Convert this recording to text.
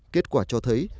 kết quả cho thấy